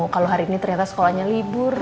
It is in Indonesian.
kalau hari ini ternyata sekolahnya libur